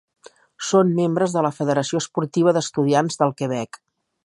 Són membres de la Federació Esportiva d'Estudiants del Quebec.